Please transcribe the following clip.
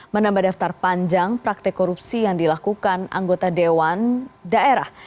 menambah daftar panjang praktek korupsi yang dilakukan anggota dewan daerah